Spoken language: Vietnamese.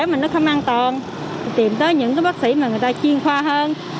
nhưng mà nó không an toàn tìm tới những bác sĩ mà người ta chuyên khoa hơn